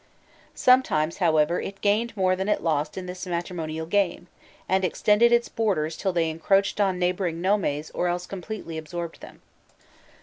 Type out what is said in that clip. Sometimes, however, it gained more than it lost in this matrimonial game, and extended its borders till they encroached on neighbouring nomes or else completely absorbed them.